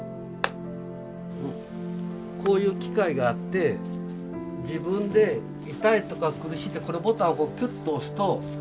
こういう機械があって自分で痛いとか苦しい時にこれボタンをキュッと押すと。